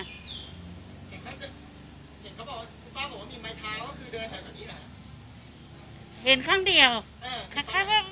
เห็นเขาบอกคุณป้าบอกว่ามีไม้ท้ายแล้วคือเดินแถวนี้หรอ